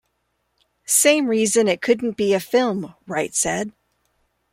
"Same reason it couldn't be a film," Wright said.